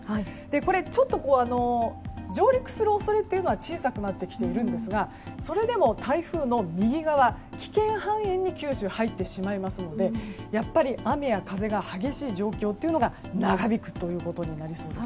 これ、ちょっと上陸する恐れは小さくなってきていますがそれでも台風の右側危険半円に九州入ってしまいますので雨や風が激しい状況が長引くことになりそうです。